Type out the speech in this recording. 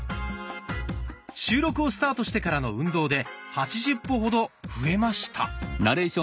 収録をスタートしてからの運動で８０歩ほど増えました。